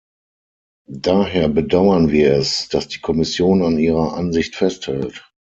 Daher bedauern wir es, dass die Kommission an Ihrer Ansicht festhält.